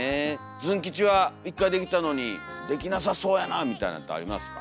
ズン吉は１回できたのにできなさそうやなみたいなんってありますか？